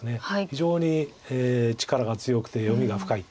非常に力が強くて読みが深い。